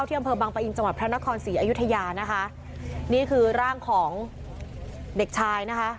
อำเภอบังปะอินจังหวัดพระนครศรีอยุธยานะคะนี่คือร่างของเด็กชายนะคะ